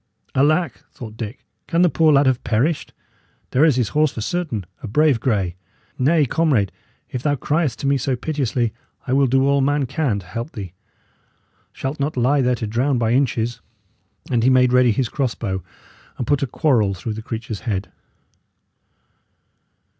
"Alack!" thought Dick, "can the poor lad have perished? There is his horse, for certain a brave grey! Nay, comrade, if thou criest to me so piteously, I will do all man can to help thee. Shalt not lie there to drown by inches!" And he made ready his crossbow, and put a quarrel through the creature's head.